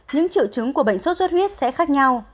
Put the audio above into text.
những triệu chứng của bệnh suốt suốt huyết sẽ khác nhau